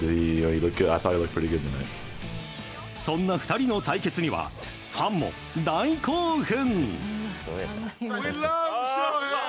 そんな２人の対決にはファンも大興奮！